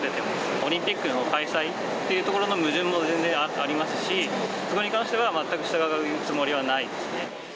オリンピックの開催っていうところの矛盾も全然ありますし、それに関しては、全く従うつもりはないですね。